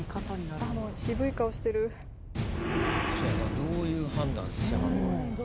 どういう判断しはるか。